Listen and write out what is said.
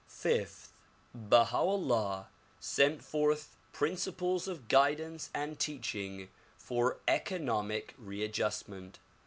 Fifth : Baha 'Ullah set forth principles of guidance and teaching for economic readjustment.